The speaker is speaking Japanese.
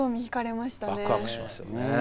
ワクワクしますよね。